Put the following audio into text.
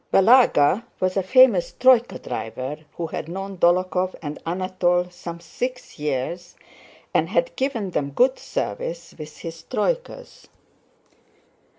Balagá was a famous troyka driver who had known Dólokhov and Anatole some six years and had given them good service with his troykas.